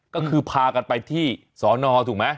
ก็คือพากันไปที่สอนอถูกไหม